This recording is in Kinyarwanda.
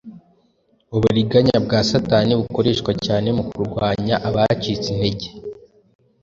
Uburiganya bwa Satani bukoreshwa cyane mu kurwanya abacitse intege.